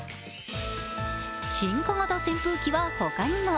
進化型扇風機はほかにも。